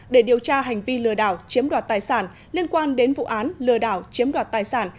để điều tra hành vi lừa đảo chiếm đoạt tài sản liên quan đến vụ án lừa đảo chiếm đoạt tài sản